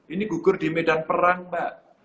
ini gugur di medan perang mbak